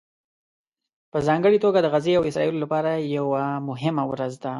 په ځانګړې توګه د غزې او اسرائیلو لپاره یوه مهمه ورځ ده